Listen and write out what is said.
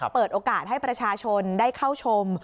เปิดโอกาสให้ประชาชนได้เข้าชม